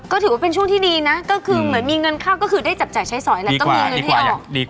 ก็ถือว่าเป็นช่วงที่ดีนะก็คือเหมือนมีเงินเข้าก็คือได้จับจ่ายใช้สอยแล้วก็มีเงินให้ออก